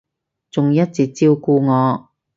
仲一直照顧我